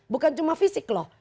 bukan cuma fisik loh